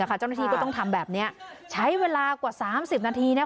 อ่ะค่ะเจ้าหน้าที่ก็ต้องทำแบบนี้ใช้เวลากว่า๓๐นาทีเนี้ย